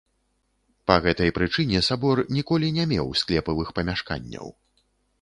Па гэтай прычыне сабор ніколі не меў склепавых памяшканняў.